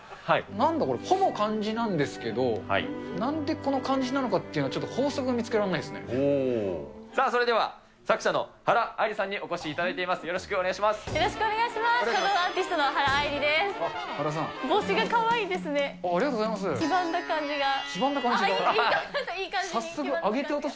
なんだこれ、ほぼ漢字なんですけど、なんでこの漢字なのかっていうのは、ちょっと法則が見つけらんなさあ、それでは、作者の原あいりさんにお越しいただいております。